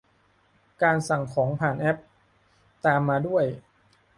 การสั่งของผ่านแอป ตามมาด้วย